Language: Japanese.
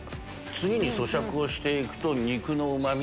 次にそしゃくをしていくと肉のうまみ